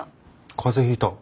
風邪ひいた。